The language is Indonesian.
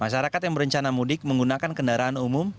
masyarakat yang berencana mudik menggunakan kendaraan umum